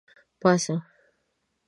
باسه